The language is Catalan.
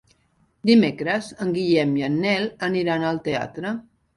Dimecres en Guillem i en Nel aniran al teatre.